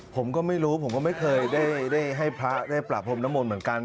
ผมก็ไม่รู้ผมก็ไม่เคยได้ให้พระได้ประพรมน้ำมนต์เหมือนกัน